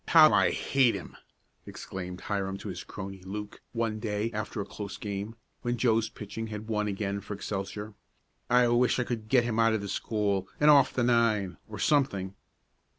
"How I hate him!" exclaimed Hiram to his crony, Luke, one day after a close game, when Joe's pitching had won again for Excelsior. "I wish I could get him out of the school, or off the nine, or something."